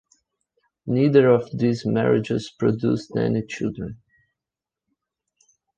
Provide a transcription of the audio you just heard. Neither of these marriages produced any children.